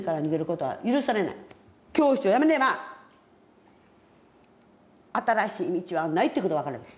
教師を辞めねば新しい道はないってことが分かるわけ。